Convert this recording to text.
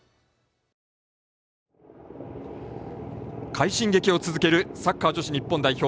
快進撃を続けるサッカー女子日本代表